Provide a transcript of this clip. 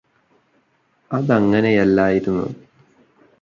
അതങ്ങനെയല്ലായിരുന്നു